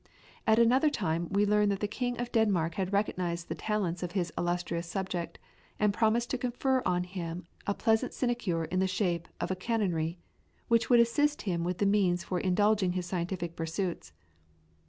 At another time we learn that the King of Denmark had recognised the talents of his illustrious subject, and promised to confer on him a pleasant sinecure in the shape of a canonry, which would assist him with the means for indulging his scientific pursuits.